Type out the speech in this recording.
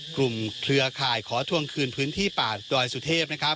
เครือข่ายขอทวงคืนพื้นที่ป่าดอยสุเทพ